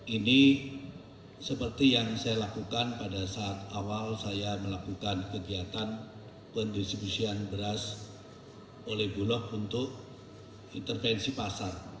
ini seperti yang saya lakukan pada saat awal saya melakukan kegiatan pendistribusian beras oleh bulog untuk intervensi pasar